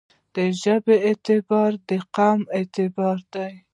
د ژبې اعتبار دقوم اعتبار دی.